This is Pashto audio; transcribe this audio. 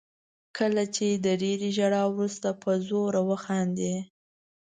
کله چې د ډېرې ژړا وروسته په زوره وخاندئ.